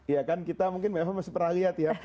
ya kan kita mungkin memang masih peralihat ya